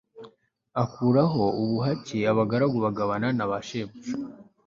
akuraho ubuhake abagaragu bagabana na bashebuja